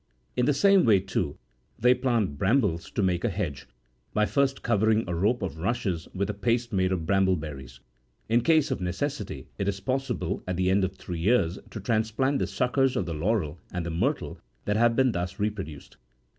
In the same way, too, they plant brambles to make a hedge, by first covering a rope of rushes with a paste made of bramble berries. In case of necessity, it is possible at the end of three years to transplant the suckers of the laurel and the myrtle that have been thus re produced.